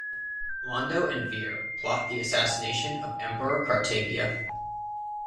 Londo and Vir plot the assassination of Emperor Cartagia.